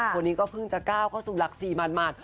คนนี้ก็เพิ่งจะก้าวเข้าสู่หลัก๔หมัด